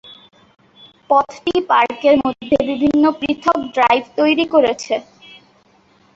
পথটি পার্কের মধ্যে বিভিন্ন পৃথক ড্রাইভ তৈরি করেছে।